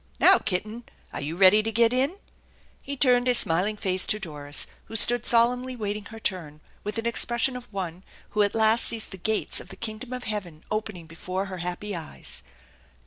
Now, kitten, are you ready to get in ?" He turned a smiling face to Doris, who stood solemnly waiting her turn, with an expression of one who at last sees the gates of the kingdom of heaveo opening before her happy eyes.